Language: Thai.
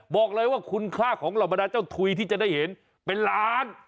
บอกเลยว่าคุณค่าของเหล่าบรรดาเจ้าถุยที่จะได้เห็นเป็นล้าน